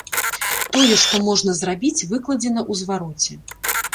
Тое, што можна зрабіць, выкладзена ў звароце.